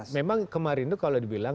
memang kemarin itu kalau dibilang